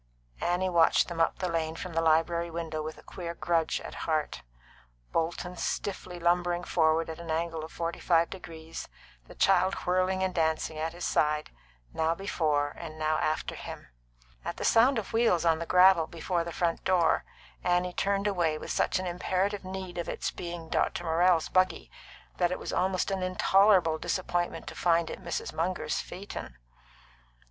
Annie watched them up the lane from the library window with a queer grudge at heart; Bolton stiffly lumbering forward at an angle of forty five degrees, the child whirling and dancing at his side, and now before and now after him. At the sound of wheels on the gravel before the front door, Annie turned away with such an imperative need of its being Dr. Morrell's buggy that it was almost an intolerable disappointment to find it Mrs. Munger's phaeton.